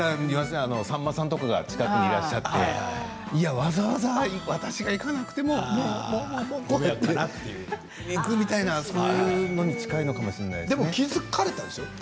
さんまさんとかが近くにいらっしゃってわざわざ私が行かなくてもってそういうのに近いのかもしれないですね。